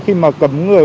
khi mà cấm người